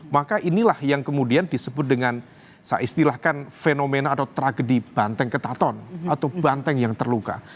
maka inilah yang kemudian disebut dengan saya istilahkan fenomena atau tragedi banteng ketaton atau banteng yang terluka